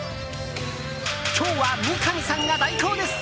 今日は三上さんが代行です。